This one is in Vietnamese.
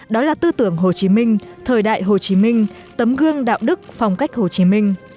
đó là tư tưởng hồ chí minh thời đại hồ chí minh tấm gương đạo đức phong cách hồ chí minh